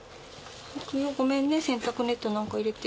ごめんね洗濯ネットなんか入れて。